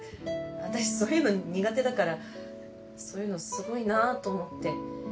私そういうの苦手だからそういうのすごいなと思って。